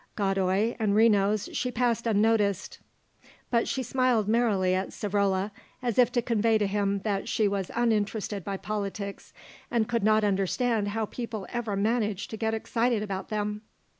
Godoy and Renos she passed unnoticed, but she smiled merrily at Savrola, as if to convey to him that she was uninterested by politics and could not understand how people ever managed to get excited about them.